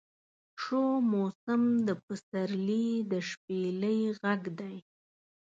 شو موسم د پسرلي د شپیلۍ غږدی